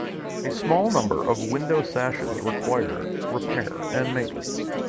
A small number of the window sashes require repair and maintenance.